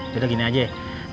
yaudah gini aja ya